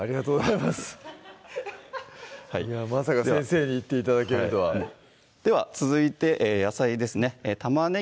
いやぁまさか先生に言って頂けるとはでは続いて野菜ですね